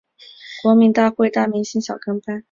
国民大会大明星小跟班